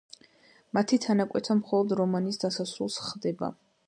მათი თანაკვეთა მხოლოდ რომანის დასასრულს ხდება.